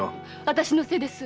私のせいです。